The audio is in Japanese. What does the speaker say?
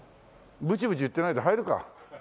ブチブチ言ってないで入るか。